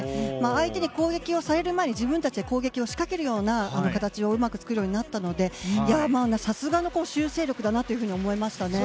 相手に攻撃をされる前に自分たちで攻撃を仕掛けるような形をうまく作るようになったのでさすがの修正力だなと思いましたね。